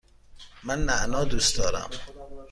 من نعنا دوست دارم.